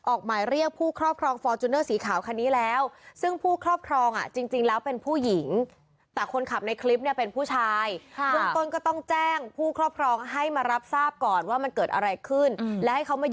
ออกหมายเรียนคอบครองฟอร์จูเนอส์ศรีขาวคันนี้แล้ว